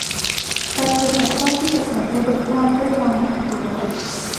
ตาเธอจับจ้องที่กระสอบและเบิกกว้างด้วยความหวาดกลัว